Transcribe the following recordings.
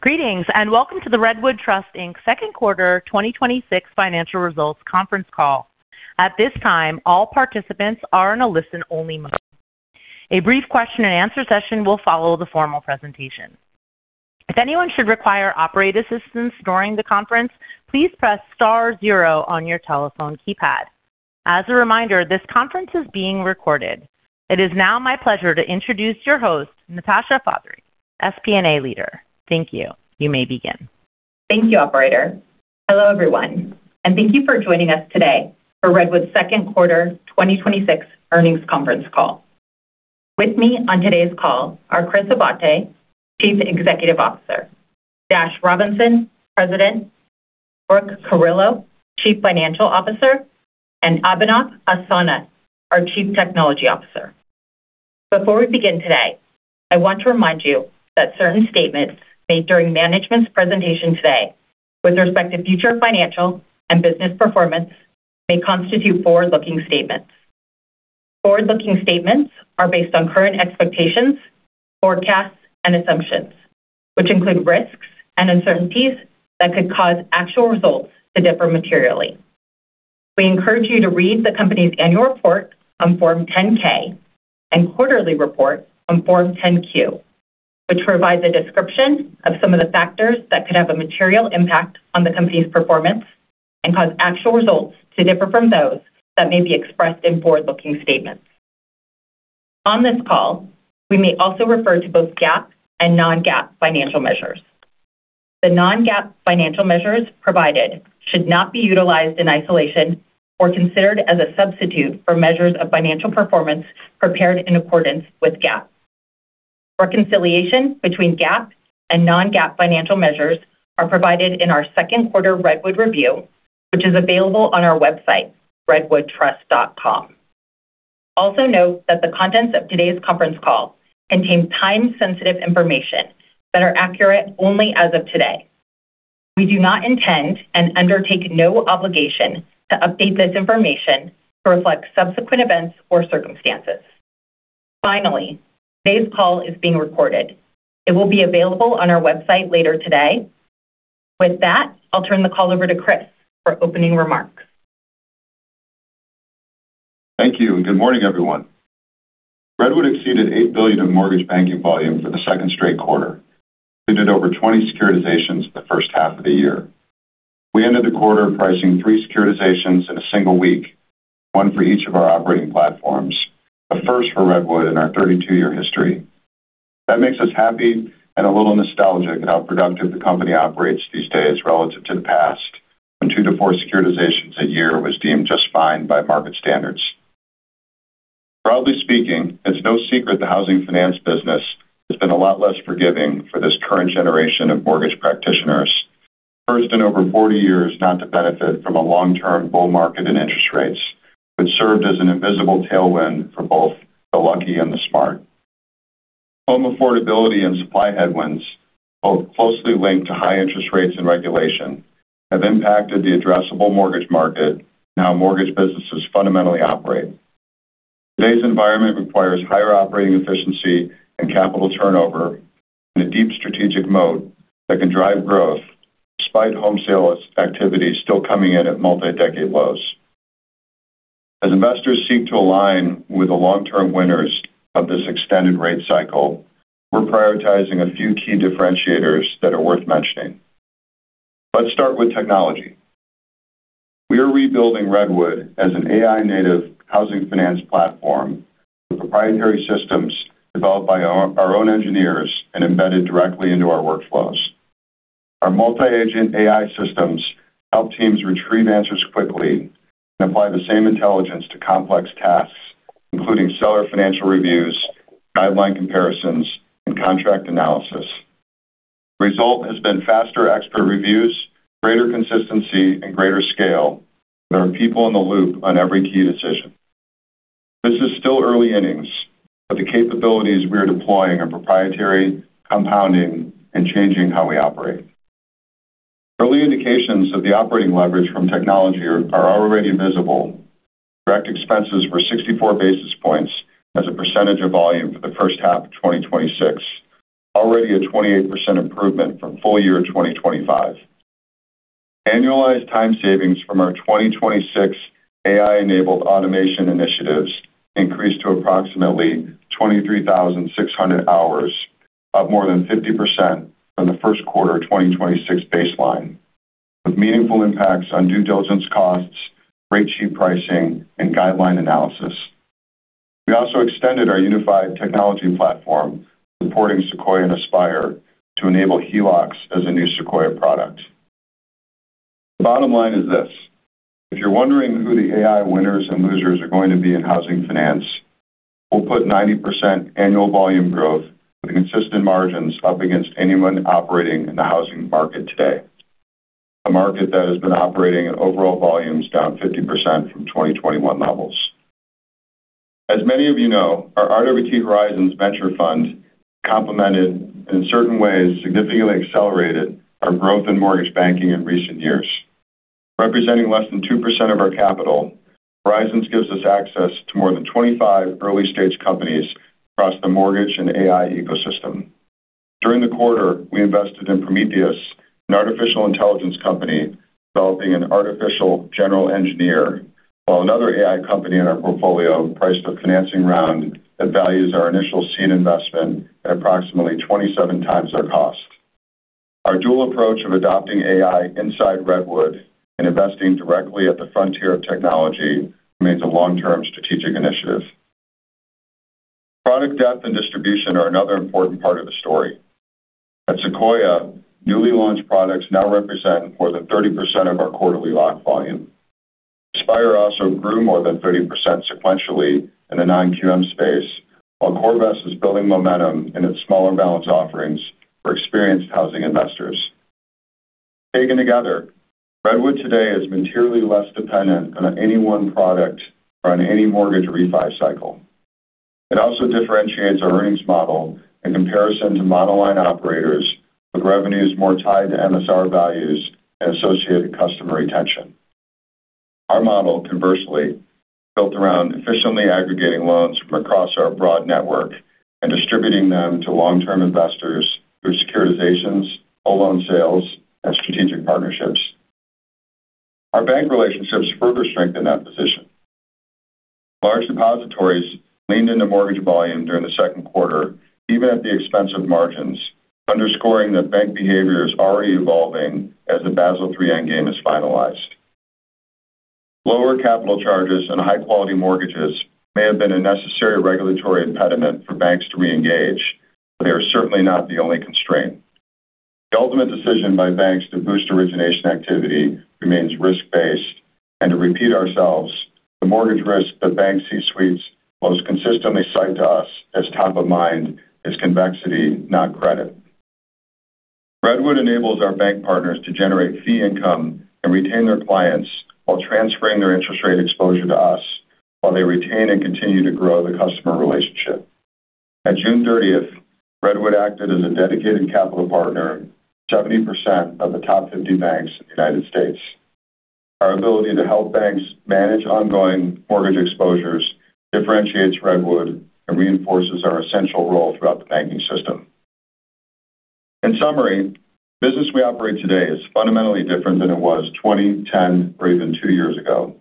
Greetings, and welcome to the Redwood Trust, Inc. second quarter 2026 financial results conference call. At this time, all participants are in a listen-only mode. A brief question-and-answer session will follow the formal presentation. If anyone should require operator assistance during the conference, please press star zero on your telephone keypad. As a reminder, this conference is being recorded. It is now my pleasure to introduce your host, Natasha Fatheree, FP&A leader. Thank you. You may begin. Thank you, operator. Hello, everyone, and thank you for joining us today for Redwood's second quarter 2026 earnings conference call. With me on today's call are Chris Abate, Chief Executive Officer, Dash Robinson, President, Brooke Carillo, Chief Financial Officer, and Abhinav Asthana, our Chief Technology Officer. Before we begin today, I want to remind you that certain statements made during management's presentation today with respect to future financial and business performance may constitute forward-looking statements. Forward-looking statements are based on current expectations, forecasts, and assumptions, which include risks and uncertainties that could cause actual results to differ materially. We encourage you to read the company's annual report on Form 10-K and quarterly report on Form 10-Q, which provide a description of some of the factors that could have a material impact on the company's performance and cause actual results to differ from those that may be expressed in forward-looking statements. On this call, we may also refer to both GAAP and non-GAAP financial measures. The non-GAAP financial measures provided should not be utilized in isolation or considered as a substitute for measures of financial performance prepared in accordance with GAAP. Reconciliation between GAAP and non-GAAP financial measures are provided in our second quarter Redwood Review, which is available on our website, redwoodtrust.com. Also note that the contents of today's conference call contain time-sensitive information that are accurate only as of today. We do not intend and undertake no obligation to update this information to reflect subsequent events or circumstances. Finally, today's call is being recorded. It will be available on our website later today. With that, I'll turn the call over to Chris for opening remarks. Thank you, and good morning, everyone. Redwood exceeded $8 billion of mortgage banking volume for the second straight quarter. We did over 20 securitizations for the first half of the year. We ended the quarter pricing three securitizations in a single week, one for each of our operating platforms. A first for Redwood in our 32-year history. That makes us happy and a little nostalgic at how productive the company operates these days relative to the past, when two to four securitizations a year was deemed just fine by market standards. Broadly speaking, it's no secret the housing finance business has been a lot less forgiving for this current generation of mortgage practitioners. First in over 40 years not to benefit from a long-term bull market in interest rates, which served as an invisible tailwind for both the lucky and the smart. Home affordability and supply headwinds, both closely linked to high interest rates and regulation, have impacted the addressable mortgage market and how mortgage businesses fundamentally operate. Today's environment requires higher operating efficiency and capital turnover and a deep strategic mode that can drive growth despite home sales activity still coming in at multi-decade lows. As investors seek to align with the long-term winners of this extended rate cycle, we're prioritizing a few key differentiators that are worth mentioning. Let's start with technology. We are rebuilding Redwood as an AI-native housing finance platform with proprietary systems developed by our own engineers and embedded directly into our workflows. Our multi-agent AI systems help teams retrieve answers quickly and apply the same intelligence to complex tasks, including seller financial reviews, guideline comparisons, and contract analysis. Result has been faster expert reviews, greater consistency, and greater scale. There are people in the loop on every key decision. This is still early innings, but the capabilities we are deploying are proprietary, compounding, and changing how we operate. Early indications of the operating leverage from technology are already visible. Direct expenses were 64 basis points as a percentage of volume for the first half of 2026. Already a 28% improvement from full year 2025. Annualized time savings from our 2026 AI-enabled automation initiatives increased to approximately 23,600 hours, up more than 50% from the first quarter of 2026 baseline, with meaningful impacts on due diligence costs, rate sheet pricing, and guideline analysis. We also extended our unified technology platform supporting Sequoia and Aspire to enable HELOCs as a new Sequoia product. The bottom line is this: If you're wondering who the AI winners and losers are going to be in housing finance, we'll put 90% annual volume growth with consistent margins up against anyone operating in the housing market today. A market that has been operating at overall volumes down 50% from 2021 levels. As many of you know, our RWT Horizons venture fund complemented, in certain ways, significantly accelerated our growth in mortgage banking in recent years. Representing less than 2% of our capital, Horizons gives us access to more than 25 early-stage companies across the mortgage and AI ecosystem. During the quarter, we invested in Prometheus, an artificial intelligence company developing an artificial general engineer, while another AI company in our portfolio priced a financing round that values our initial seed investment at approximately 27 times our cost. Our dual approach of adopting AI inside Redwood and investing directly at the frontier of technology remains a long-term strategic initiative. Product depth and distribution are another important part of the story. At Sequoia, newly launched products now represent more than 30% of our quarterly lock volume. Aspire also grew more than 30% sequentially in the non-QM space, while CoreVest is building momentum in its smaller balance offerings for experienced housing investors. Taken together, Redwood today is materially less dependent on any one product or on any mortgage re-fi cycle. It also differentiates our earnings model in comparison to monoline operators with revenues more tied to MSR values and associated customer retention. Our model, conversely, is built around efficiently aggregating loans from across our broad network and distributing them to long-term investors through securitizations, whole loan sales, and strategic partnerships. Our bank relationships further strengthen that position. Large depositories leaned into mortgage volume during the second quarter, even at the expense of margins, underscoring that bank behavior is already evolving as the Basel III Endgame is finalized. Lower capital charges and high-quality mortgages may have been a necessary regulatory impediment for banks to reengage, but they are certainly not the only constraint. The ultimate decision by banks to boost origination activity remains risk-based, and to repeat ourselves, the mortgage risk that bank C-suites most consistently cite to us as top of mind is convexity, not credit. Redwood enables our bank partners to generate fee income and retain their clients while transferring their interest rate exposure to us while they retain and continue to grow the customer relationship. At June 30th, Redwood acted as a dedicated capital partner to 70% of the top 50 banks in the United States. Our ability to help banks manage ongoing mortgage exposures differentiates Redwood and reinforces our essential role throughout the banking system. In summary, the business we operate today is fundamentally different than it was 20, 10, or even two years ago.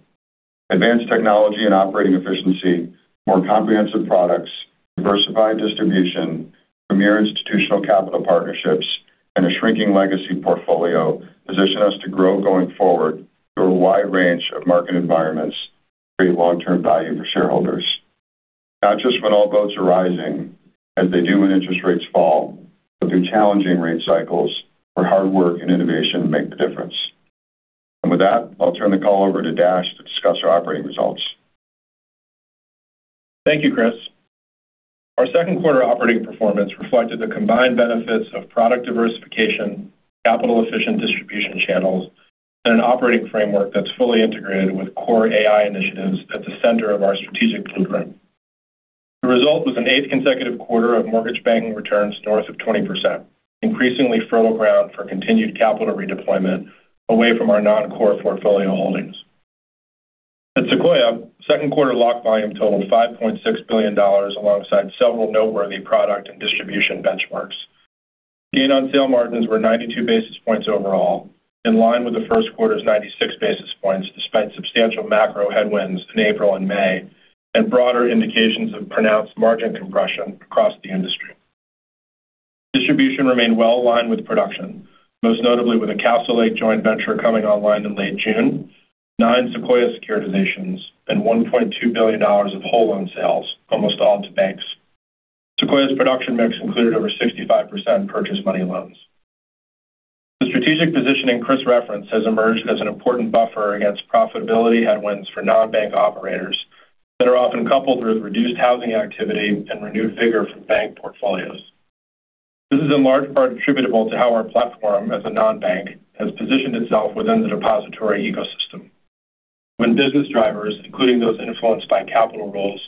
Advanced technology and operating efficiency, more comprehensive products, diversified distribution, premier institutional capital partnerships, and a shrinking legacy portfolio position us to grow going forward through a wide range of market environments to create long-term value for shareholders. Not just when all boats are rising, as they do when interest rates fall, but through challenging rate cycles where hard work and innovation make the difference. With that, I'll turn the call over to Dash to discuss our operating results. Thank you, Chris. Our second quarter operating performance reflected the combined benefits of product diversification, capital-efficient distribution channels, and an operating framework that's fully integrated with core AI initiatives at the center of our strategic blueprint. The result was an eighth consecutive quarter of mortgage banking returns north of 20%, increasingly fertile ground for continued capital redeployment away from our non-core portfolio holdings. At Sequoia, second quarter lock volume totaled $5.6 billion alongside several noteworthy product and distribution benchmarks. Gain-on-sale margins were 92 basis points overall, in line with the first quarter's 96 basis points, despite substantial macro headwinds in April and May and broader indications of pronounced margin compression across the industry. Distribution remained well-aligned with production, most notably with a Castlelake joint venture coming online in late June, nine Sequoia securitizations, and $1.2 billion of whole loan sales, almost all to banks. Sequoia's production mix included over 65% purchase money loans. The strategic positioning Chris referenced has emerged as an important buffer against profitability headwinds for non-bank operators that are often coupled with reduced housing activity and renewed vigor for bank portfolios. This is in large part attributable to how our platform as a non-bank has positioned itself within the depository ecosystem. When business drivers, including those influenced by capital rules,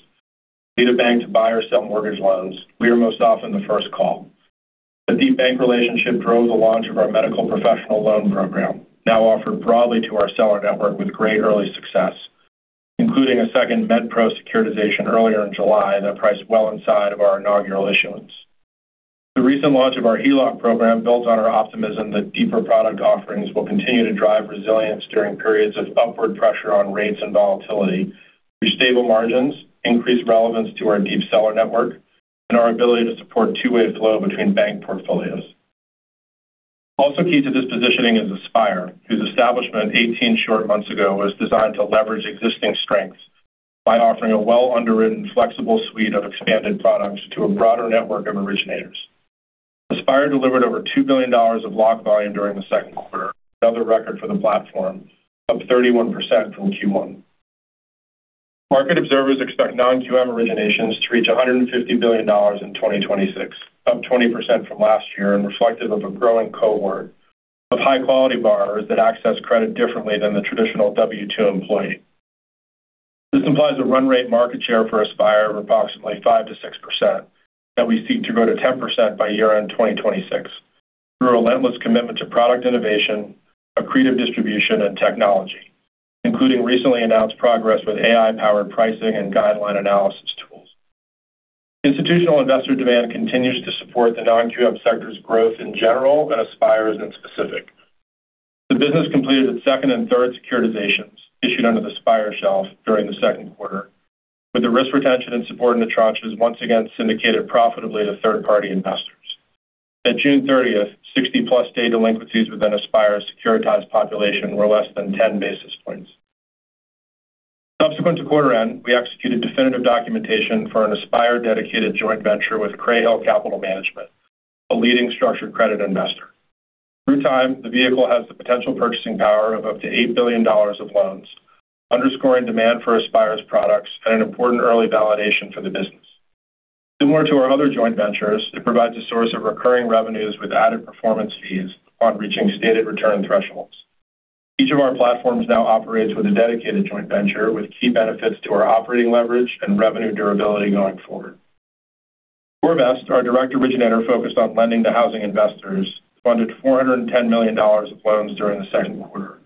need a bank to buy or sell mortgage loans, we are most often the first call. That deep bank relationship drove the launch of our Medical Professionals Loan Program, now offered broadly to our seller network with great early success, including a second Med Pro securitization earlier in July that priced well inside of our inaugural issuance. The recent launch of our HELOC program builds on our optimism that deeper product offerings will continue to drive resilience during periods of upward pressure on rates and volatility through stable margins, increased relevance to our deep seller network, and our ability to support two-way flow between bank portfolios. Also key to this positioning is Aspire, whose establishment 18 short months ago was designed to leverage existing strengths by offering a well-underwritten, flexible suite of expanded products to a broader network of originators. Aspire delivered over $2 billion of lock volume during the second quarter, another record for the platform, up 31% from Q1. Market observers expect non-QM originations to reach $150 billion in 2026, up 20% from last year and reflective of a growing cohort of high-quality borrowers that access credit differently than the traditional W2 employee. This implies a run rate market share for Aspire of approximately 5%-6% that we seek to grow to 10% by year-end 2026 through a relentless commitment to product innovation, accretive distribution, and technology, including recently announced progress with AI-powered pricing and guideline analysis tools. Institutional investor demand continues to support the non-QM sector's growth in general and Aspire's in specific. The business completed its second and third securitizations issued under the Aspire shelf during the second quarter, with the risk retention and support in the tranches once again syndicated profitably to third-party investors. At June 30th, 60-plus day delinquencies within Aspire's securitized population were less than 10 basis points. Subsequent to quarter end, we executed definitive documentation for an Aspire-dedicated joint venture with Crayhill Capital Management, a leading structured credit investor. Through time, the vehicle has the potential purchasing power of up to $8 billion of loans, underscoring demand for Aspire's products and an important early validation for the business. Similar to our other joint ventures, it provides a source of recurring revenues with added performance fees upon reaching stated return thresholds. Each of our platforms now operates with a dedicated joint venture with key benefits to our operating leverage and revenue durability going forward. CoreVest, our direct originator focused on lending to housing investors, funded $410 million of loans during the second quarter,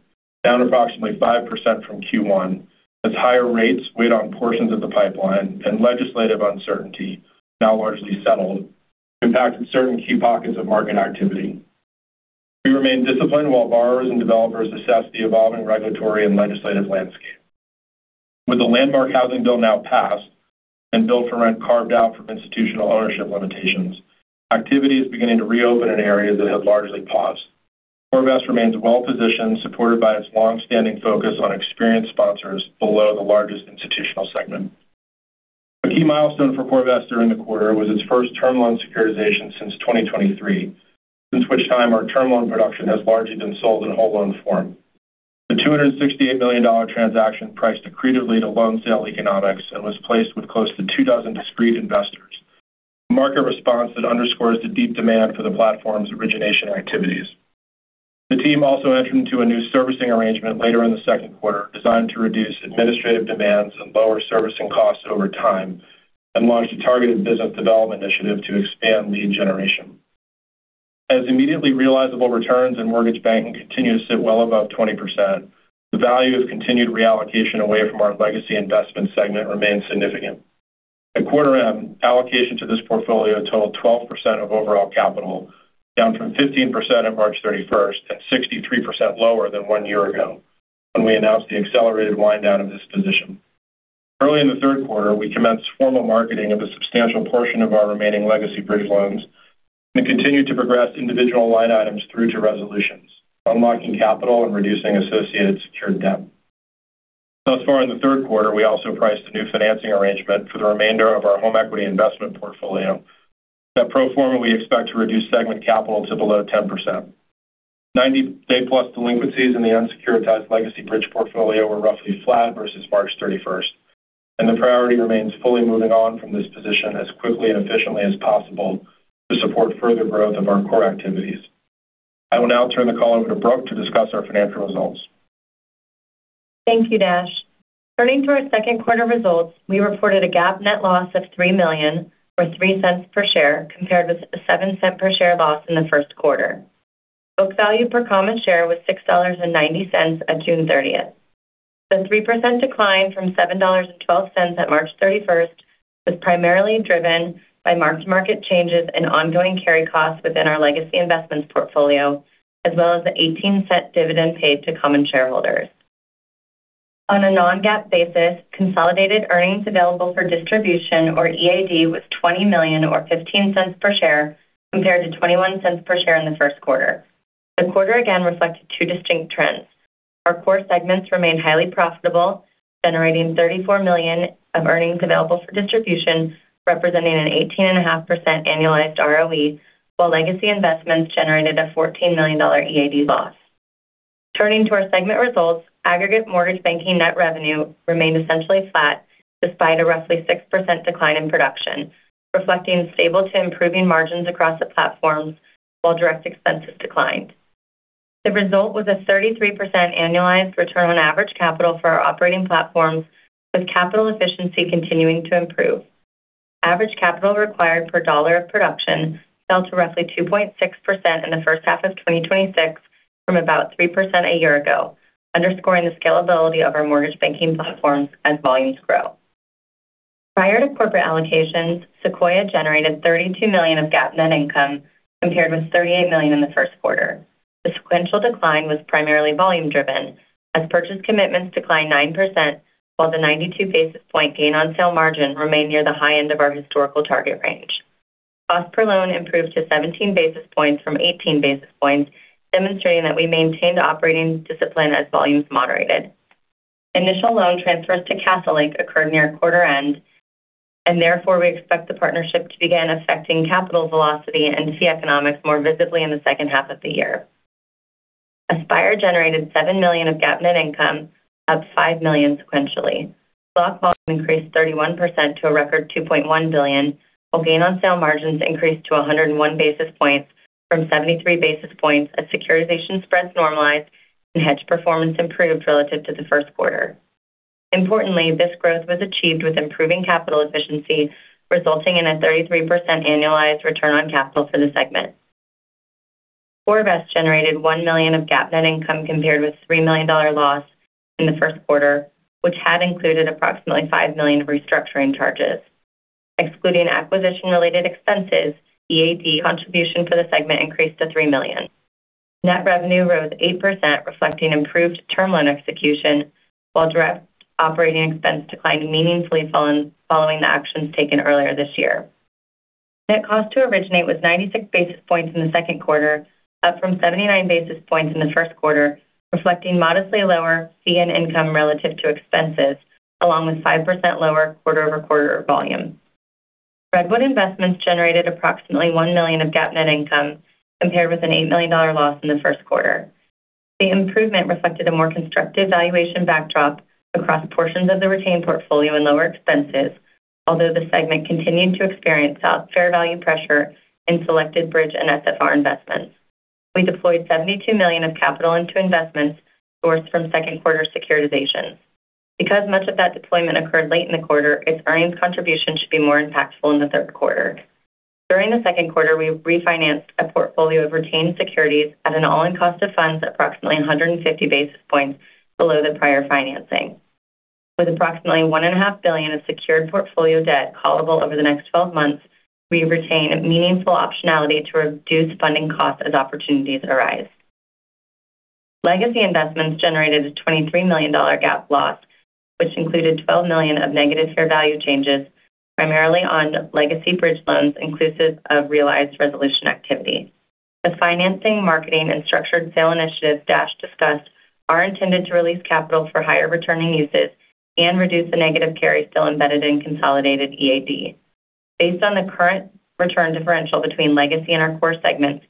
down approximately 5% from Q1 as higher rates weighed on portions of the pipeline and legislative uncertainty, now largely settled, impacted certain key pockets of market activity. We remain disciplined while borrowers and developers assess the evolving regulatory and legislative landscape. With the landmark housing bill now passed and build-for-rent carved out from institutional ownership limitations, activity is beginning to reopen in areas that had largely paused. CoreVest remains well-positioned, supported by its longstanding focus on experienced sponsors below the largest institutional segment. A key milestone for CoreVest during the quarter was its first term loan securitization since 2023, since which time our term loan production has largely been sold in whole loan form. The $268 million transaction priced accretively to loan sale economics and was placed with close to two dozen discrete investors, a market response that underscores the deep demand for the platform's origination activities. The team also entered into a new servicing arrangement later in the second quarter designed to reduce administrative demands and lower servicing costs over time and launched a targeted business development initiative to expand lead generation. As immediately realizable returns in mortgage banking continue to sit well above 20%, the value of continued reallocation away from our legacy investment segment remains significant. At quarter end, allocation to this portfolio totaled 12% of overall capital, down from 15% on March 31st and 63% lower than one year ago, when we announced the accelerated wind down of this position. Early in the third quarter, we commenced formal marketing of a substantial portion of our remaining legacy bridge loans and continued to progress individual line items through to resolutions, unlocking capital and reducing associated secured debt. Thus far in the third quarter, we also priced a new financing arrangement for the remainder of our home equity investment portfolio that pro forma we expect to reduce segment capital to below 10%. 90-day-plus delinquencies in the unsecuritized legacy bridge portfolio were roughly flat versus March 31st. The priority remains fully moving on from this position as quickly and efficiently as possible to support further growth of our core activities. I will now turn the call over to Brooke to discuss our financial results. Thank you, Dash. Turning to our second quarter results, we reported a GAAP net loss of $3 million, or $0.03 per share, compared with a $0.07 per share loss in the first quarter. Book value per common share was $6.90 at June 30th. The 3% decline from $7.12 at March 31st was primarily driven by marked-to-market changes and ongoing carry costs within our legacy investments portfolio, as well as the $0.18 dividend paid to common shareholders. On a non-GAAP basis, consolidated earnings available for distribution, or EAD, was $20 million or $0.15 per share, compared to $0.21 per share in the first quarter. The quarter again reflected two distinct trends. Our core segments remained highly profitable, generating $34 million of earnings available for distribution, representing an 18.5% annualized ROE, while legacy investments generated a $14 million EAD loss. Turning to our segment results, aggregate mortgage banking net revenue remained essentially flat despite a roughly 6% decline in production, reflecting stable to improving margins across the platforms while direct expenses declined. The result was a 33% annualized return on average capital for our operating platforms, with capital efficiency continuing to improve. Average capital required per dollar of production fell to roughly 2.6% in the first half of 2026 from about 3% a year ago, underscoring the scalability of our mortgage banking platforms as volumes grow. Prior to corporate allocations, Sequoia generated $32 million of GAAP net income compared with $38 million in the first quarter. The sequential decline was primarily volume driven as purchase commitments declined 9%, while the 92 basis point gain on sale margin remained near the high end of our historical target range. Cost per loan improved to 17 basis points from 18 basis points, demonstrating that we maintained operating discipline as volumes moderated. Initial loan [inaudible] quarter end. Therefore, we expect the partnership to begin affecting capital velocity and fee economics more visibly in the second half of the year. Aspire generated $7 million of GAAP net income, up $5 million sequentially. Lock volume increased 31% to a record $2.1 billion, while gain on sale margins increased to 101 basis points from 73 basis points as securitization spreads normalized and hedge performance improved relative to the first quarter. Importantly, this growth was achieved with improving capital efficiency, resulting in a 33% annualized return on capital for the segment. CoreVest generated $1 million of GAAP net income, compared with a $3 million loss in the first quarter, which had included approximately $5 million of restructuring charges. Excluding acquisition-related expenses, EAD contribution for the segment increased to $3 million. Net revenue rose 8%, reflecting improved term loan execution, while direct operating expense declined meaningfully following the actions taken earlier this year. Net cost to originate was 96 basis points in the second quarter, up from 79 basis points in the first quarter, reflecting modestly lower fee and income relative to expenses, along with 5% lower quarter-over-quarter volume. Redwood Investments generated approximately $1 million of GAAP net income, compared with an $8 million loss in the first quarter. The improvement reflected a more constructive valuation backdrop across portions of the retained portfolio and lower expenses. Although the segment continued to experience fair value pressure in selected bridge and SFR investments. We deployed $72 million of capital into investments sourced from second quarter securitizations. Because much of that deployment occurred late in the quarter, its earnings contribution should be more impactful in the third quarter. During the second quarter, we refinanced a portfolio of retained securities at an all-in cost of funds approximately 150 basis points below the prior financing. With approximately $1.5 billion of secured portfolio debt callable over the next 12 months, we retain a meaningful optionality to reduce funding costs as opportunities arise. Legacy investments generated a $23 million GAAP loss, which included $12 million of negative fair value changes, primarily on legacy bridge loans inclusive of realized resolution activity. The financing, marketing and structured sale initiatives Dash discussed are intended to release capital for higher returning uses and reduce the negative carry still embedded in consolidated EAD. Based on the current return differential between Legacy and our core segments,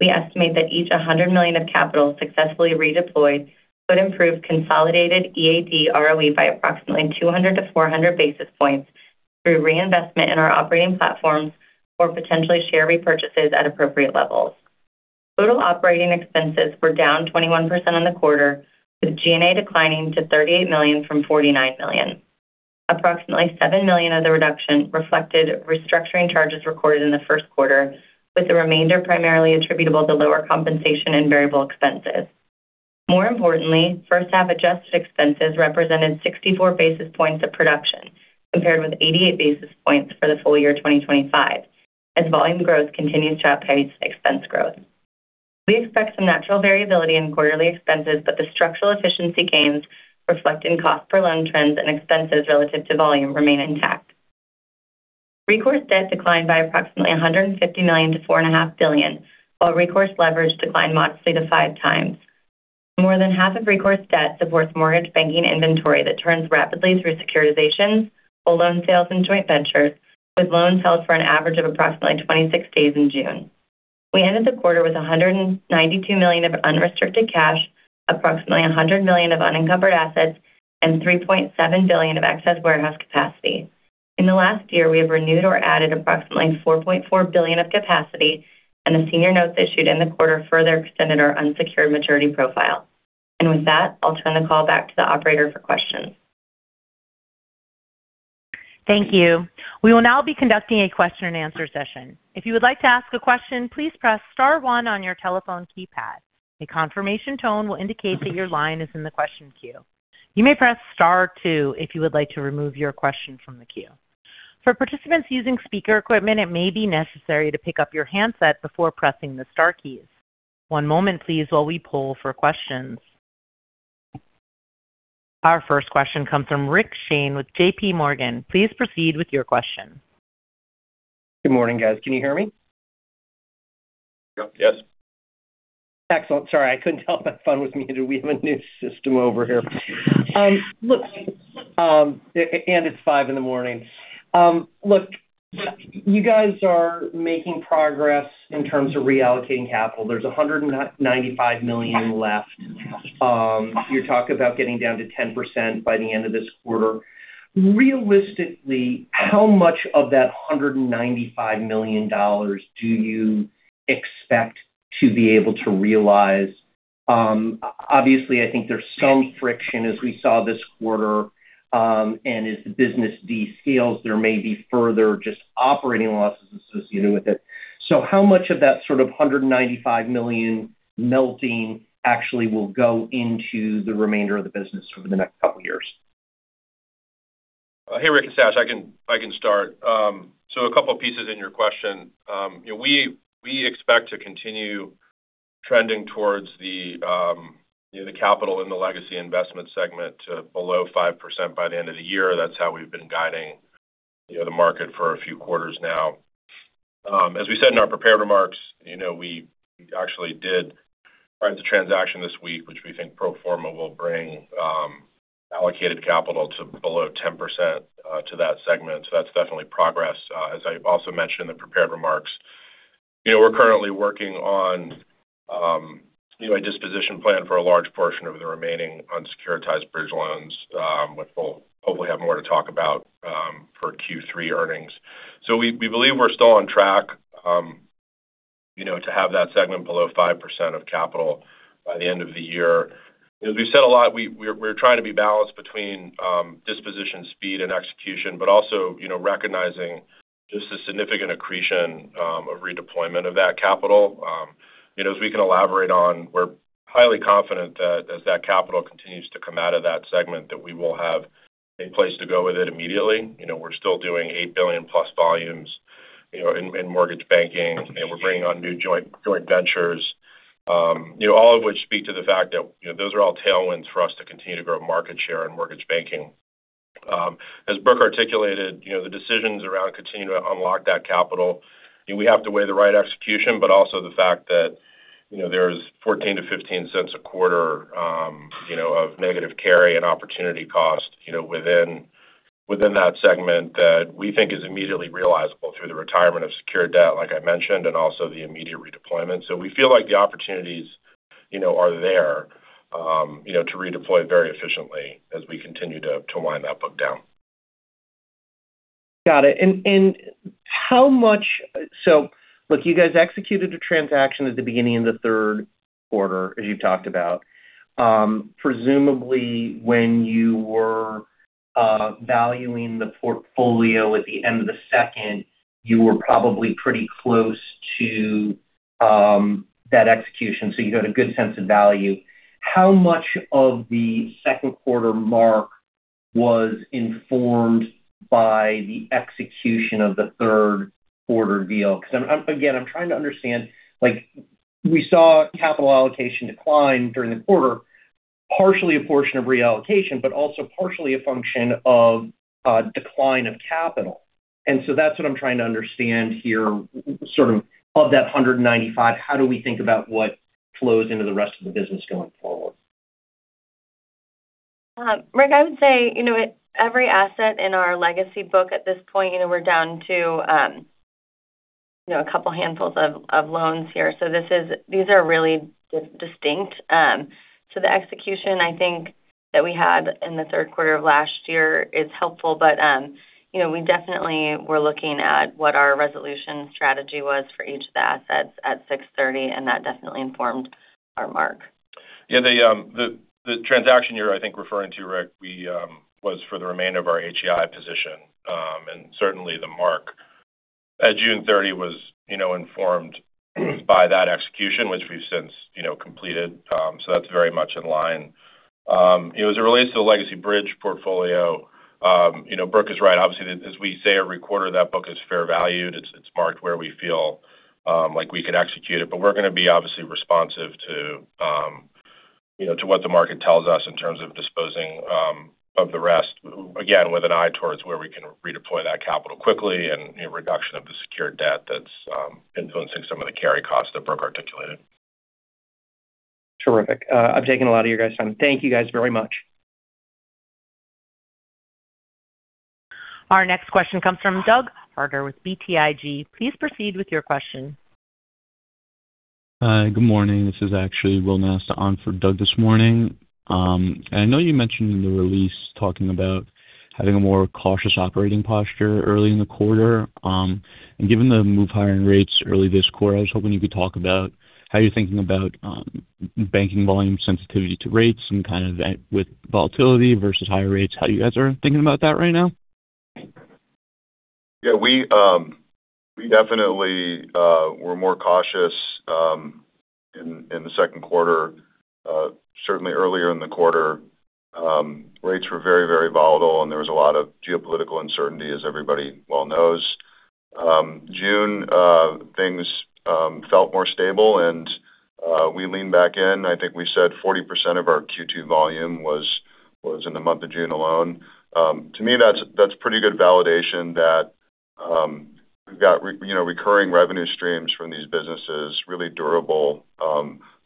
we estimate that each $100 million of capital successfully redeployed could improve consolidated EAD ROE by approximately 200-400 basis points through reinvestment in our operating platforms or potentially share repurchases at appropriate levels. Total operating expenses were down 21% on the quarter, with G&A declining to $38 million from $49 million. Approximately $7 million of the reduction reflected restructuring charges recorded in the first quarter, with the remainder primarily attributable to lower compensation and variable expenses. Importantly, first half adjusted expenses represented 64 basis points of production, compared with 88 basis points for the full year 2025 as volume growth continues to outpace expense growth. We expect some natural variability in quarterly expenses, the structural efficiency gains reflect in cost per loan trends and expenses relative to volume remain intact. Recourse debt declined by approximately $150 million to $4.5 billion, while recourse leverage declined modestly to five times. More than half of recourse debt supports mortgage banking inventory that turns rapidly through securitizations or loan sales and joint ventures, with loans held for an average of approximately 26 days in June. We ended the quarter with $192 million of unrestricted cash, approximately $100 million of unencumbered assets, and $3.7 billion of excess warehouse capacity. In the last year, we have renewed or added approximately $4.4 billion of capacity, the senior notes issued in the quarter further extended our unsecured maturity profile. With that, I'll turn the call back to the operator for questions. Thank you. We will now be conducting a question-and-answer session. If you would like to ask a question, please press star one on your telephone keypad. A confirmation tone will indicate that your line is in the question queue. You may press star two if you would like to remove your question from the queue. For participants using speaker equipment, it may be necessary to pick up your handset before pressing the star keys. One moment, please, while we poll for questions. Our first question comes from Rick Shane with JPMorgan. Please proceed with your question. Good morning, guys. Can you hear me? Yep. Yes. Excellent. Sorry, I couldn't help but fun with me. We have a new system over here. It's 5:00 A.M. in the morning. Look, you guys are making progress in terms of reallocating capital. There's $195 million left. You talk about getting down to 10% by the end of this quarter. Realistically, how much of that $195 million do you expect to be able to realize? Obviously, I think there's some friction as we saw this quarter, and as the business descales, there may be further just operating losses associated with it. How much of that sort of $195 million melting actually will go into the remainder of the business over the next couple of years? Hey, Rick, it's Dash. I can start. A couple of pieces in your question. We expect to continue trending towards the capital in the legacy investment segment to below 5% by the end of the year. That's how we've been guiding the market for a few quarters now. As we said in our prepared remarks, we actually did price a transaction this week, which we think pro forma will bring allocated capital to below 10% to that segment. That's definitely progress. As I also mentioned in the prepared remarks, we're currently working on a disposition plan for a large portion of the remaining unsecuritized bridge loans which we'll hopefully have more to talk about for Q3 earnings. We believe we're still on track to have that segment below 5% of capital by the end of the year. As we said a lot, we're trying to be balanced between disposition speed and execution, also recognizing just the significant accretion of redeployment of that capital. As we can elaborate on, we're highly confident that as that capital continues to come out of that segment, that we will have a place to go with it immediately. We're still doing $8 billion plus volumes in mortgage banking. We're bringing on new joint ventures. All of which speak to the fact that those are all tailwinds for us to continue to grow market share in mortgage banking. As Brooke articulated, the decisions around continuing to unlock that capital, we have to weigh the right execution, also the fact that there's $0.14 to $0.15 a quarter of negative carry and opportunity cost within that segment that we think is immediately realizable through the retirement of secured debt, like I mentioned, also the immediate redeployment. We feel like the opportunities are there to redeploy very efficiently as we continue to wind that book down. Got it. Look, you guys executed a transaction at the beginning of the third quarter, as you've talked about. Presumably when you were valuing the portfolio at the end of the second, you were probably pretty close to that execution, so you had a good sense of value. How much of the second quarter mark was informed by the execution of the third quarter deal? Because again, I'm trying to understand. We saw capital allocation decline during the quarter, partially a portion of reallocation, but also partially a function of a decline of capital. That's what I'm trying to understand here, sort of that $195, how do we think about what flows into the rest of the business going forward? Rick, I would say, every asset in our legacy book at this point, we're down to a couple handfuls of loans here. These are really distinct. The execution, I think, that we had in the third quarter of last year is helpful. We definitely were looking at what our resolution strategy was for each of the assets at 6/30, and that definitely informed our mark. Yeah. The transaction you're, I think, referring to, Rick, was for the remainder of our HEI position. Certainly the mark at June 30 was informed by that execution, which we've since completed. That's very much in line. As it relates to the legacy bridge portfolio, Brooke is right. Obviously, as we say every quarter, that book is fair valued. It's marked where we feel like we could execute it. We're going to be obviously responsive to what the market tells us in terms of disposing of the rest, again, with an eye towards where we can redeploy that capital quickly and a reduction of the secured debt that's influencing some of the carry costs that Brooke articulated. Terrific. I've taken a lot of your guys' time. Thank you guys very much. Our next question comes from Doug Harter with BTIG. Please proceed with your question. Hi. Good morning. This is actually Will Nasta on for Doug this morning. I know you mentioned in the release talking about having a more cautious operating posture early in the quarter. Given the move higher in rates early this quarter, I was hoping you could talk about how you're thinking about banking volume sensitivity to rates and kind of with volatility versus higher rates, how you guys are thinking about that right now. Yeah. We definitely were more cautious in the second quarter. Certainly earlier in the quarter, rates were very, very volatile and there was a lot of geopolitical uncertainty, as everybody well knows. June, things felt more stable and we leaned back in. I think we said 40% of our Q2 volume was in the month of June alone. To me, that's pretty good validation that we've got recurring revenue streams from these businesses, really durable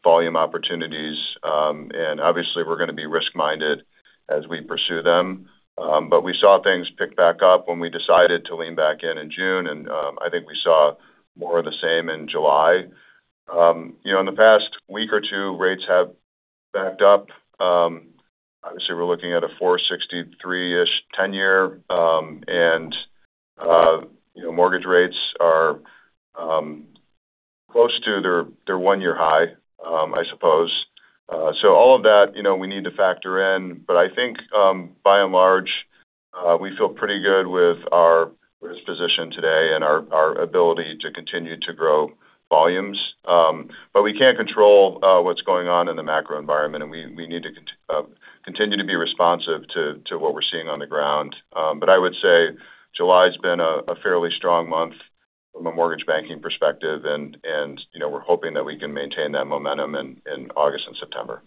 volume opportunities, obviously we're going to be risk-minded as we pursue them. We saw things pick back up when we decided to lean back in in June, I think we saw more of the same in July. In the past week or two, rates have backed up. Obviously, we're looking at a 463-ish 10-year, and mortgage rates are close to their one-year high, I suppose. All of that we need to factor in. I think by and large, we feel pretty good with our risk position today, our ability to continue to grow volumes. We can't control what's going on in the macro environment, we need to continue to be responsive to what we're seeing on the ground. I would say July's been a fairly strong month from a mortgage banking perspective, and we're hoping that we can maintain that momentum in August and September.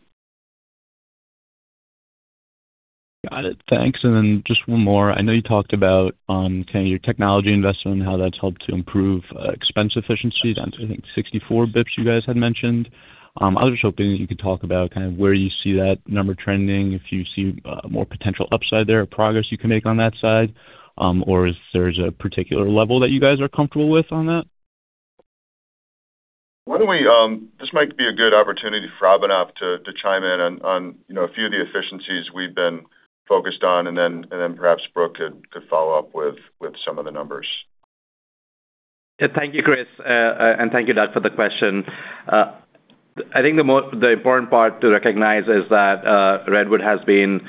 Got it. Thanks. Then just one more. I know you talked about your technology investment and how that's helped to improve expense efficiency down to, I think, 64 basis points you guys had mentioned. I was just hoping that you could talk about kind of where you see that number trending, if you see more potential upside there or progress you can make on that side, or if there's a particular level that you guys are comfortable with on that. This might be a good opportunity for Abhinav to chime in on a few of the efficiencies we've been focused on, then perhaps Brooke could follow up with some of the numbers. Thank you, Chris. Thank you, Doug, for the question. I think the important part to recognize is that Redwood has been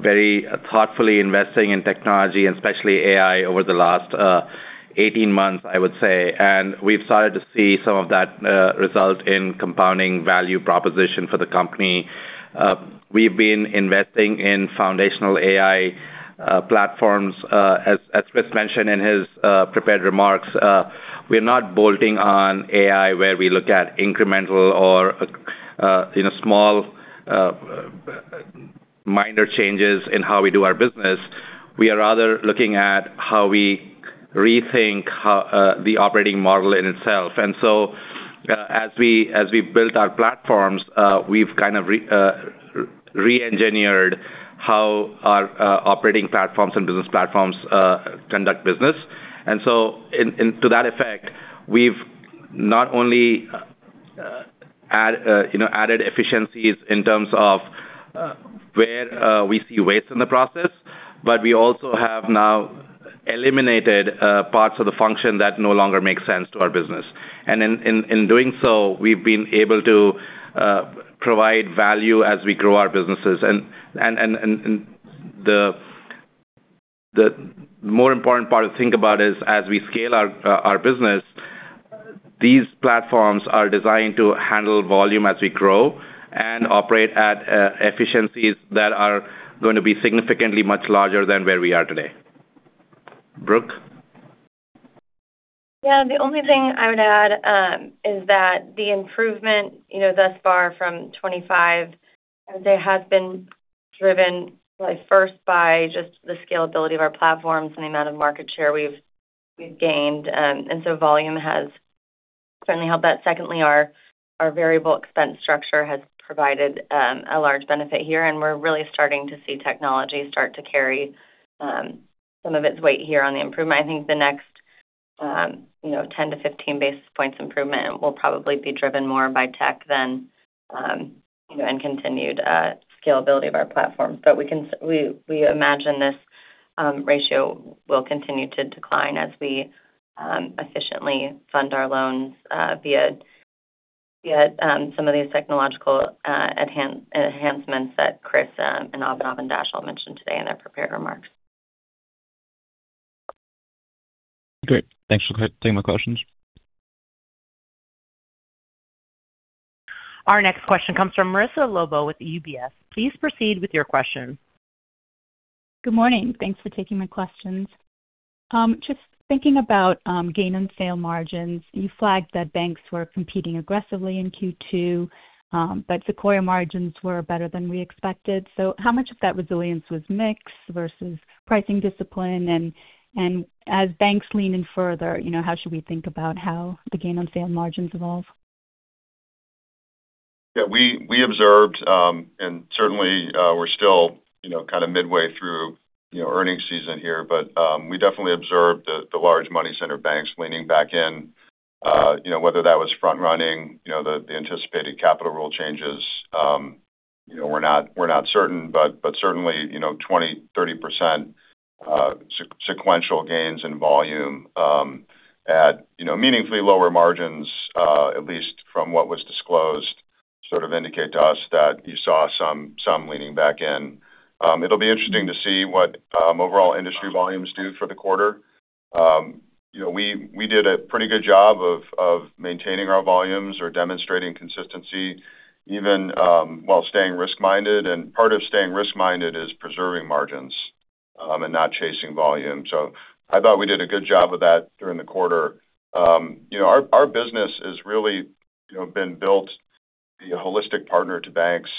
very thoughtfully investing in technology and especially AI over the last 18 months, I would say. We've started to see some of that result in compounding value proposition for the company. We've been investing in foundational AI platforms, as Chris mentioned in his prepared remarks. We're not bolting on AI, where we look at incremental or small, minor changes in how we do our business. We are rather looking at how we rethink the operating model in itself. So as we built our platforms, we've kind of re-engineered how our operating platforms and business platforms conduct business. To that effect, we've not only added efficiencies in terms of where we see waste in the process, but we also have now eliminated parts of the function that no longer make sense to our business. In doing so, we've been able to provide value as we grow our businesses. The more important part to think about is as we scale our business, these platforms are designed to handle volume as we grow and operate at efficiencies that are going to be significantly much larger than where we are today. Brooke? Yeah. The only thing I would add is that the improvement thus far from 2025, they have been driven first by just the scalability of our platforms and the amount of market share we've gained. And so volume has certainly helped that. Secondly, our variable expense structure has provided a large benefit here, and we're really starting to see technology start to carry some of its weight here on the improvement. I think the next 10 to 15 basis points improvement will probably be driven more by tech and continued scalability of our platform. But we imagine this ratio will continue to decline as we efficiently fund our loans via some of these technological enhancements that Chris and Abhinav and Dash all mentioned today in their prepared remarks. Great. Thanks for taking my questions. Our next question comes from Marissa Lobo with UBS. Please proceed with your question. Good morning. Thanks for taking my questions. Just thinking about gain on sale margins. You flagged that banks were competing aggressively in Q2, but Sequoia margins were better than we expected. So how much of that resilience was mix versus pricing discipline? And as banks lean in further, how should we think about how the gain on sale margins evolve? Yeah, we observed. Certainly, we're still kind of midway through earnings season here. We definitely observed the large money center banks leaning back in whether that was front running, the anticipated capital rule changes. We're not certain, but certainly, 20%, 30% sequential gains in volume at meaningfully lower margins, at least from what was disclosed, sort of indicate to us that you saw some leaning back in. It'll be interesting to see what overall industry volumes do for the quarter. We did a pretty good job of maintaining our volumes or demonstrating consistency even while staying risk-minded. Part of staying risk-minded is preserving margins and not chasing volume. I thought we did a good job of that during the quarter. Our business has really been built to be a holistic partner to banks.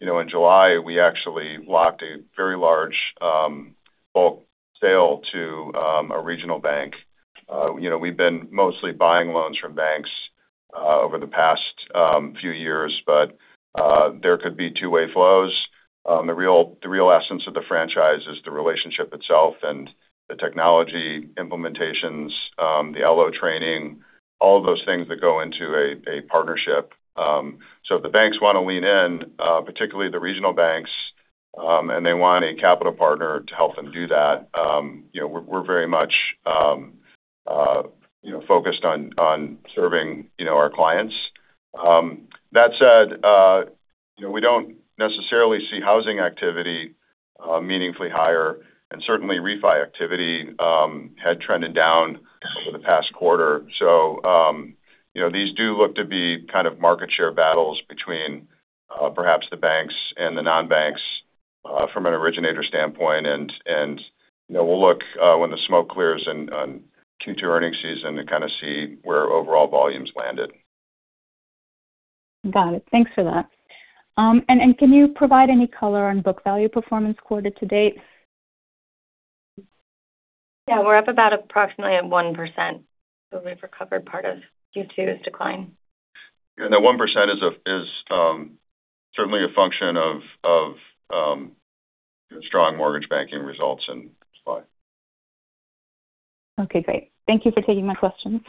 In July, we actually locked a very large bulk sale to a regional bank. We've been mostly buying loans from banks over the past few years, but there could be two-way flows. The real essence of the franchise is the relationship itself and the technology implementations, the LO training, all of those things that go into a partnership. If the banks want to lean in, particularly the regional banks, and they want a capital partner to help them do that we're very much focused on serving our clients. That said we don't necessarily see housing activity meaningfully higher and certainly refi activity had trended down over the past quarter. These do look to be kind of market share battles between perhaps the banks and the non-banks from an originator standpoint. We'll look when the smoke clears on Q2 earnings season to kind of see where overall volumes landed. Got it. Thanks for that. Can you provide any color on book value performance quarter to date? Yeah. We're up about approximately 1%. We've recovered part of Q2's decline. Yeah, that 1% is certainly a function of strong mortgage banking results in supply. Okay, great. Thank you for taking my questions.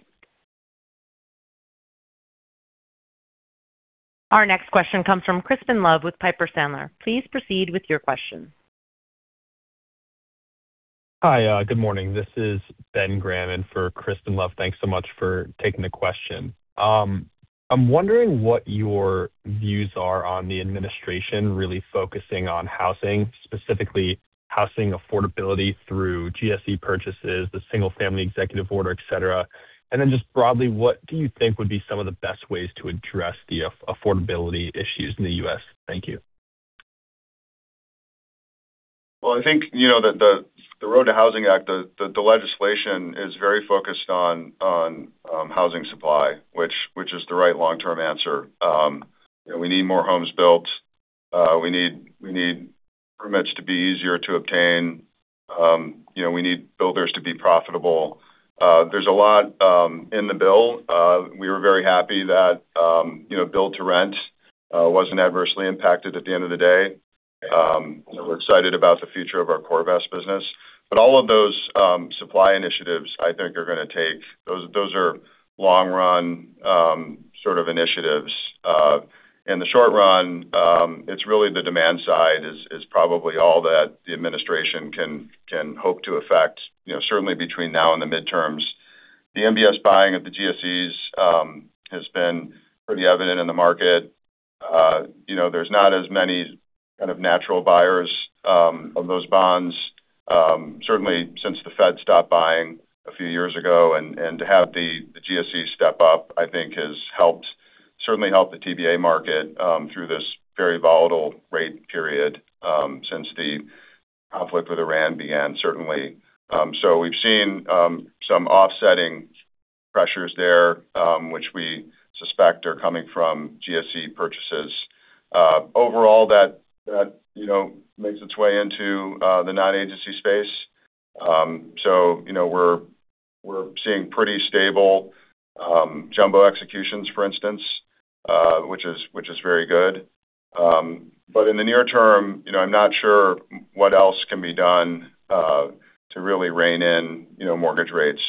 Our next question comes from Crispin Love with Piper Sandler. Please proceed with your question. Hi, good morning. This is Ben Graham in for Crispin Love. Thanks so much for taking the question. I'm wondering what your views are on the administration really focusing on housing, specifically housing affordability through GSE purchases, the single family executive order, et cetera. Just broadly, what do you think would be some of the best ways to address the affordability issues in the U.S.? Thank you. Well, I think, the Road to Housing Act, the legislation is very focused on housing supply, which is the right long-term answer. We need more homes built. We need permits to be easier to obtain. We need builders to be profitable. There's a lot in the bill. We were very happy that build-to-rent wasn't adversely impacted at the end of the day. We're excited about the future of our CoreVest business. All of those supply initiatives, I think are going to take those are long-run initiatives. In the short run, it's really the demand side is probably all that the administration can hope to affect certainly between now and the midterms. The MBS buying of the GSEs has been pretty evident in the market. There's not as many kind of natural buyers of those bonds. Certainly since the Fed stopped buying a few years ago, to have the GSE step up, I think has certainly helped the TBA market through this very volatile rate period since the conflict with Iran began, certainly. We've seen some offsetting pressures there, which we suspect are coming from GSE purchases. Overall that makes its way into the non-agency space. We're seeing pretty stable jumbo executions for instance which is very good. In the near term, I'm not sure what else can be done to really rein in mortgage rates.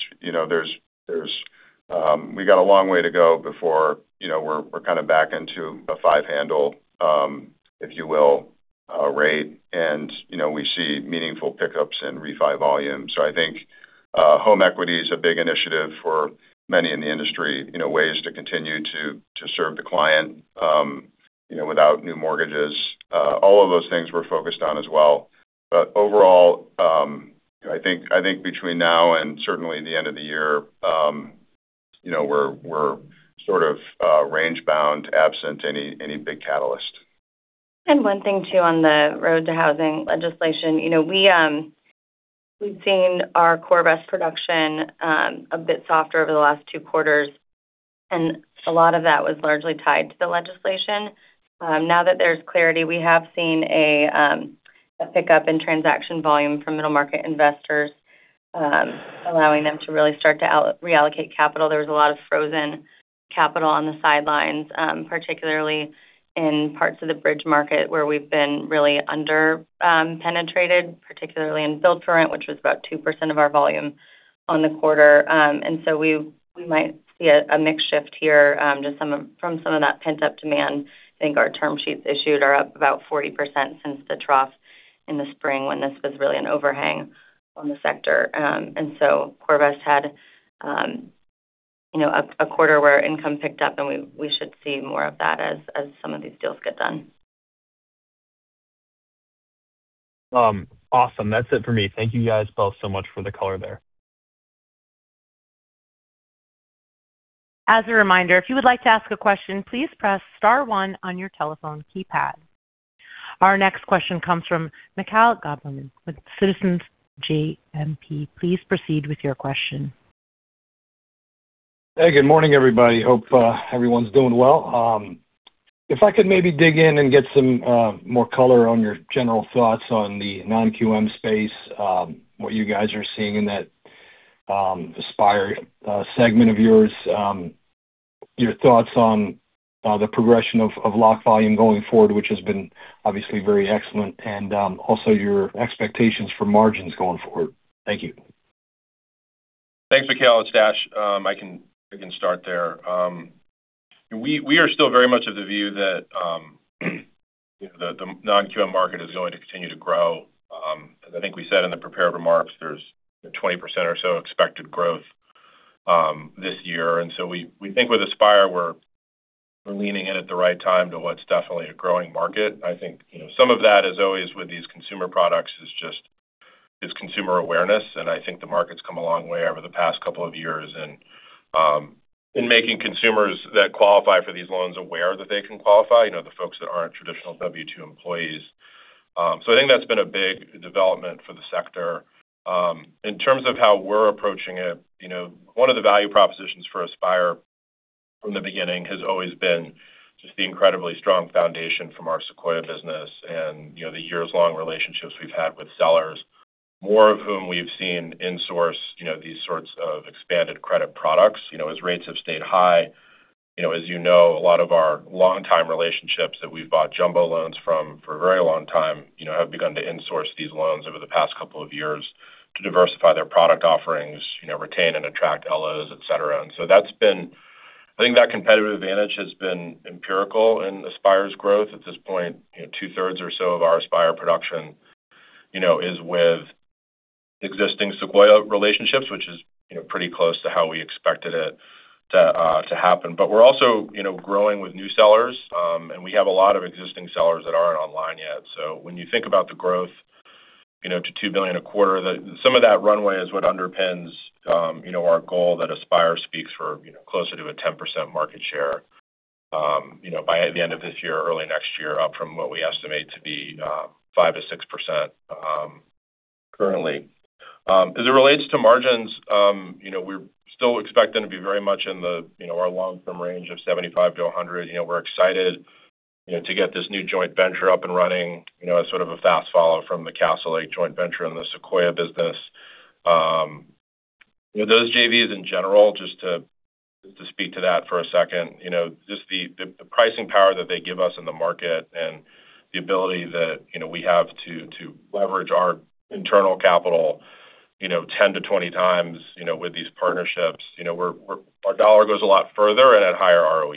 We got a long way to go before we're back into a five handle, if you will, rate, and we see meaningful pickups in refi volume. I think home equity is a big initiative for many in the industry, ways to continue to serve the client without new mortgages. All of those things we're focused on as well. Overall, I think between now and certainly the end of the year, we're sort of range bound absent any big catalyst. One thing too on the Road to Housing legislation. We've seen our CoreVest production a bit softer over the last two quarters. A lot of that was largely tied to the legislation. Now that there's clarity, we have seen a pickup in transaction volume from middle market investors, allowing them to really start to reallocate capital. There was a lot of frozen capital on the sidelines, particularly in parts of the bridge market where we've been really under-penetrated, particularly in build-to-rent, which was about 2% of our volume on the quarter. We might see a mix shift here from some of that pent-up demand. I think our term sheets issued are up about 40% since the trough in the spring when this was really an overhang on the sector. CoreVest had a quarter where income picked up, and we should see more of that as some of these deals get done. Awesome. That's it for me. Thank you guys both so much for the color there. As a reminder, if you would like to ask a question, please press star one on your telephone keypad. Our next question comes from Mikhail Goberman with Citizens JMP. Please proceed with your question. Hey, good morning, everybody. Hope everyone's doing well. If I could maybe dig in and get some more color on your general thoughts on the non-QM space, what you guys are seeing in that Aspire segment of yours. Your thoughts on the progression of lock volume going forward, which has been obviously very excellent, and also your expectations for margins going forward. Thank you. Thanks, Mikhail. It's Dash. I can start there. We are still very much of the view that the non-QM market is going to continue to grow. As I think we said in the prepared remarks, there's 20% or so expected growth this year. We think with Aspire, we're leaning in at the right time to what's definitely a growing market. I think some of that, as always with these consumer products, is just consumer awareness, and I think the market's come a long way over the past couple of years in making consumers that qualify for these loans aware that they can qualify, the folks that aren't traditional W2 employees. I think that's been a big development for the sector. In terms of how we're approaching it, one of the value propositions for Aspire from the beginning has always been just the incredibly strong foundation from our Sequoia business and the years-long relationships we've had with sellers, more of whom we've seen insource these sorts of expanded credit products. As rates have stayed high, as you know, a lot of our longtime relationships that we've bought jumbo loans from for a very long time have begun to insource these loans over the past couple of years. To diversify their product offerings, retain and attract LOs, et cetera. I think that competitive advantage has been empirical in Aspire's growth. At this point, two-thirds or so of our Aspire production is with existing Sequoia relationships, which is pretty close to how we expected it to happen. We're also growing with new sellers, and we have a lot of existing sellers that aren't online yet. When you think about the growth to $2 billion a quarter, some of that runway is what underpins our goal that Aspire speaks for closer to a 10% market share by the end of this year or early next year, up from what we estimate to be 5%-6% currently. As it relates to margins, we're still expecting to be very much in our long-term range of 75 to 100. We're excited to get this new joint venture up and running as sort of a fast follow from the Castlelake joint venture and the Sequoia business. Those JVs in general, just to speak to that for a second, just the pricing power that they give us in the market and the ability that we have to leverage our internal capital 10 to 20 times with these partnerships. Our dollar goes a lot further and at higher ROEs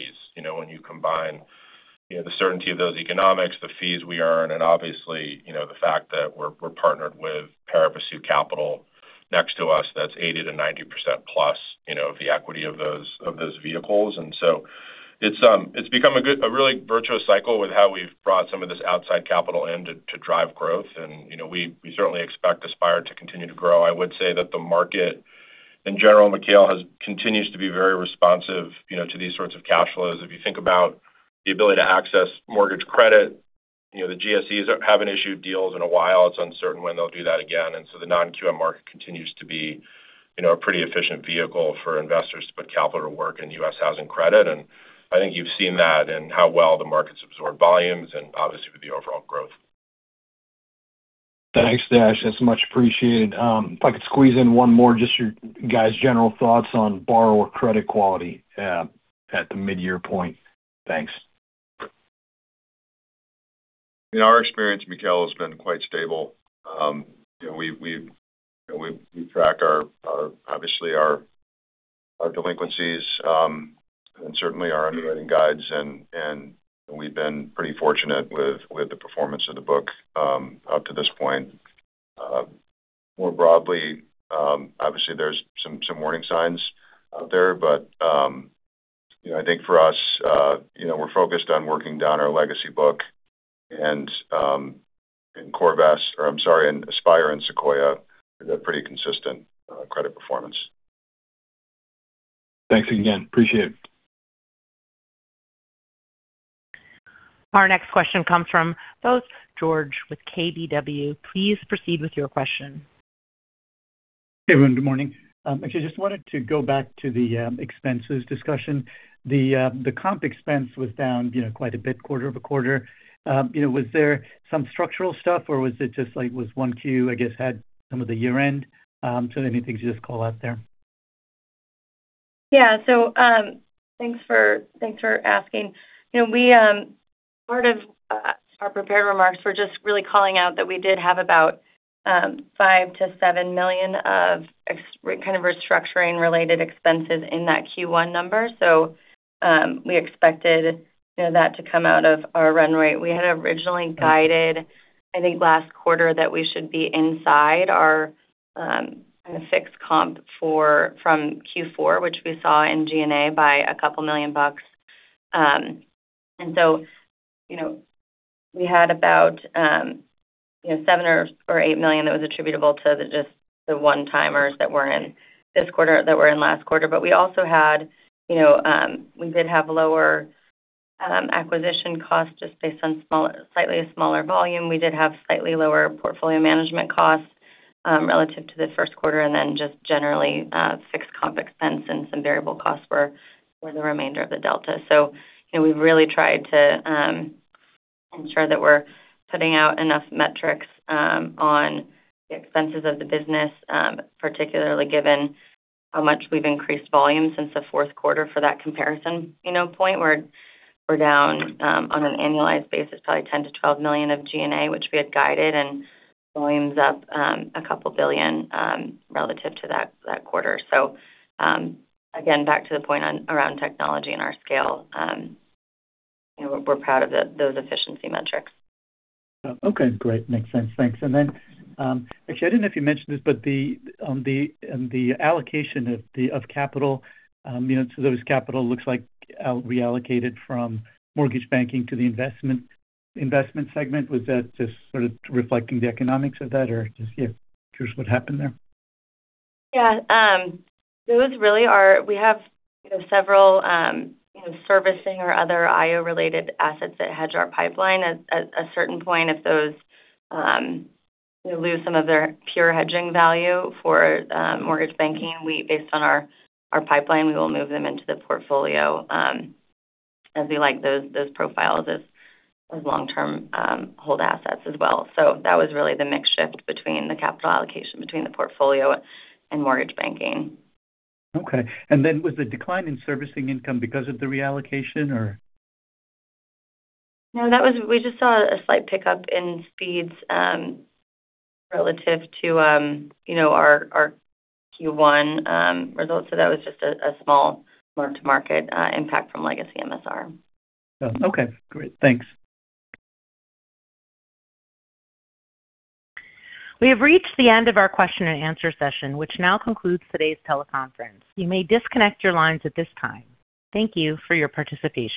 when you combine the certainty of those economics, the fees we earn, and obviously, the fact that we're partnered with ParaPursuit Capital next to us, that's 80%-90% plus of the equity of those vehicles. It's become a really virtuous cycle with how we've brought some of this outside capital in to drive growth. We certainly expect Aspire to continue to grow. I would say that the market in general, Mikhail, continues to be very responsive to these sorts of cash flows. If you think about the ability to access mortgage credit, the GSEs haven't issued deals in a while. It's uncertain when they'll do that again. The non-QM market continues to be a pretty efficient vehicle for investors to put capital to work in U.S. housing credit. I think you've seen that in how well the markets absorb volumes and obviously with the overall growth. Thanks, Dash. That's much appreciated. If I could squeeze in one more, just your guys' general thoughts on borrower credit quality at the mid-year point. Thanks. In our experience, Mikhail, it's been quite stable. We track obviously our delinquencies and certainly our underwriting guides, and we've been pretty fortunate with the performance of the book up to this point. More broadly, obviously there's some warning signs out there, but I think for us, we're focused on working down our legacy book and in Aspire and Sequoia is a pretty consistent credit performance. Thanks again. Appreciate it. Our next question comes from Bose George with KBW. Please proceed with your question. Hey, everyone. Good morning. Just wanted to go back to the expenses discussion. The comp expense was down quite a bit quarter-over-quarter. Was there some structural stuff, or was it just like Q1, I guess, had some of the year-end? Anything to just call out there? Yeah. Thanks for asking. Part of our prepared remarks were just really calling out that we did have about $5 million-$7 million of kind of restructuring related expenses in that Q1 number. We expected that to come out of our run rate. We had originally guided, I think, last quarter that we should be inside our fixed comp from Q4, which we saw in G&A by $2 million. We had about $7 million or $8 million that was attributable to just the one-timers that were in last quarter. We did have lower acquisition costs just based on slightly a smaller volume. We did have slightly lower portfolio management costs relative to the first quarter, and then just generally fixed comp expense and some variable costs were the remainder of the delta. We've really tried to ensure that we're putting out enough metrics on the expenses of the business, particularly given how much we've increased volume since the fourth quarter for that comparison point where we're down on an annualized basis, probably $10 million-$12 million of G&A, which we had guided, and volume's up a couple billion relative to that quarter. Again, back to the point around technology and our scale. We're proud of those efficiency metrics. Okay, great. Makes sense. Thanks. Actually, I didn't know if you mentioned this, but on the allocation of capital, those capital looks like reallocated from mortgage banking to the investment segment. Was that just sort of reflecting the economics of that, or just curious what happened there? Yeah. We have several servicing or other IO-related assets that hedge our pipeline. At a certain point, if those lose some of their pure hedging value for mortgage banking based on our pipeline, we will move them into the portfolio as we like those profiles as long-term hold assets as well. That was really the mix shift between the capital allocation between the portfolio and mortgage banking. Okay. Was the decline in servicing income because of the reallocation or? No, we just saw a slight pickup in speeds relative to our Q1 results. That was just a small mark-to-market impact from legacy MSR. Okay, great. Thanks. We have reached the end of our question-and-answer session, which now concludes today's teleconference. You may disconnect your lines at this time. Thank you for your participation.